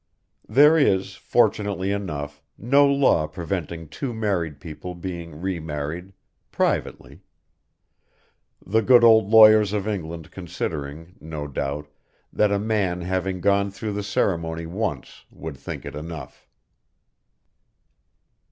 There is, fortunately enough, no law preventing two married people being re married, privately; the good old lawyers of England considering, no doubt, that a man having gone through the ceremony once would think it enough.